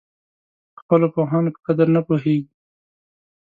خپلو پوهانو په قدر نه پوهېږي.